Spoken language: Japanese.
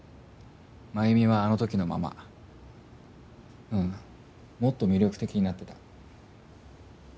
繭美はあの時のままううんもっと魅力的になってた。